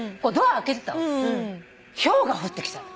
ひょうが降ってきたの。